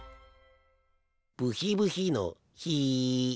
ブヒブヒのヒ。